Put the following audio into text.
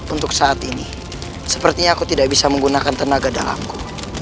untuk saat ini sepertinya aku tidak bisa menggunakan tenaga dalamku